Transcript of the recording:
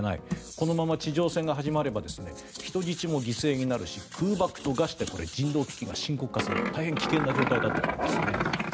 このまま地上戦が始まれば人質も犠牲になると空爆と餓死で人道危機が深刻化する大変危険な状態だと思います。